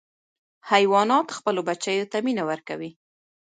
حیوانات خپلو بچیو ته مینه ورکوي.